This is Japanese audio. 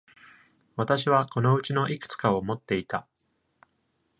私はこのうちのいくつかを持っていた。